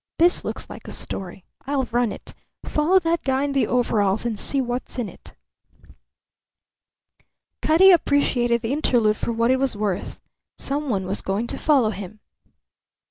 "This looks like a story. I'll run it. Follow that guy in the overalls and see what's in it." Cutty appreciated the interlude for what it was worth. Someone was going to follow him.